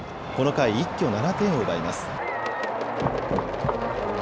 この回、一挙７点を奪います。